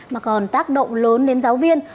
mà còn tác động lớn đến giáo viên